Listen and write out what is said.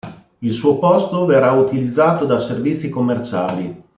Il suo posto verrà utilizzato da servizi commerciali.